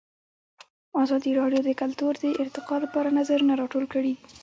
ازادي راډیو د کلتور د ارتقا لپاره نظرونه راټول کړي.